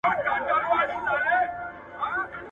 بنده و تړل بارونه، خداى کوله خپل کارونه.